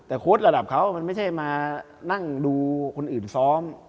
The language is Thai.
แต่โค้ดระดับเขามันไม่ใช่มานั่งดูคนอื่นซ้อม